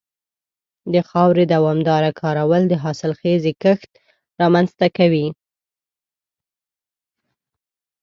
د خاورې دوامداره کارول د حاصلخېزۍ کمښت رامنځته کوي.